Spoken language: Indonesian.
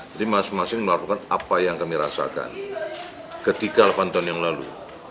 jadi masing masing melaporkan apa yang kami rasakan ketika delapan tahun yang lalu